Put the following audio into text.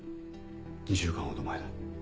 ２週間ほど前だ。